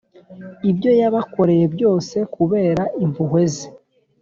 ibyo yabakoreye byose, kubera impuhwe ze.